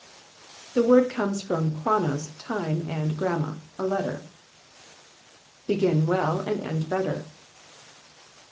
The word comes from Chronos, time, and gramma, a letter. [BEGIN WELL AND END BETTER.